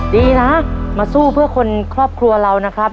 ดีนะมาสู้เพื่อคนครอบครัวเรานะครับ